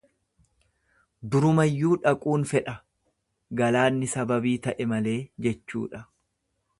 Durumayyuu dhaquun fedha, galaanni sababii ta'e malee jechuudha.